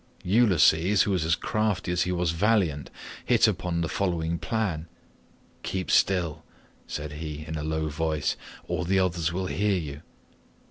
"Ulysses, who was as crafty as he was valiant, hit upon the following plan: "'Keep still,' said he in a low voice, 'or the others will hear you.